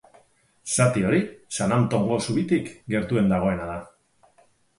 Zati hori San Antongo zubitik gertuen dagoena da.